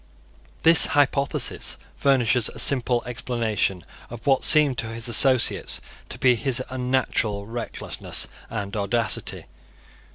This hypothesis furnishes a simple explanation of what seemed to his associates to be his unnatural recklessness and audacity.